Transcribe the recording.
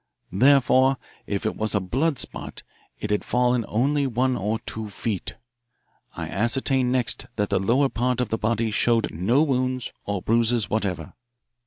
Therefore, if it was a blood spot, it had fallen only one or two feet. I ascertained next that the lower part of the body showed no wounds or bruises whatever.